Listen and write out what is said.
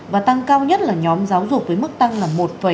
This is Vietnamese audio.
và tăng cao nhất là nhóm giáo dục với mức tăng là một ba mươi ba